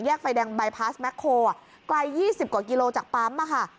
แยกไฟแดงบายพาสแมคโครอ่ะไกลยี่สิบกว่ากิโลจากปั๊มอ่ะค่ะ